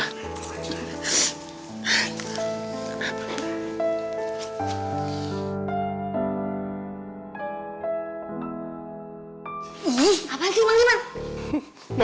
ih apaan sih emang ini ma